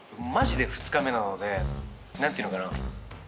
マジで２日目なので何ていうのかな。